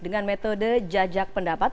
dengan metode jajak pendapat